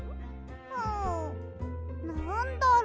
んなんだろう？